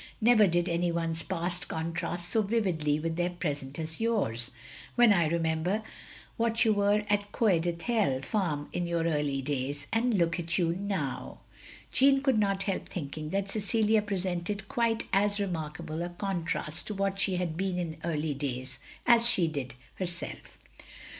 Never did any one's past contrast so vividly with their present as yours. When I remember what you were at Coed Ithel farm in your early days — and look at you now!" Jeanne could not help thinking that Cecilia presented quite as remarkable a contrast to what she had been in early days, as she did herself.